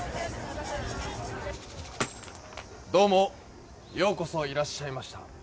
どうもようこそいらっしゃいました。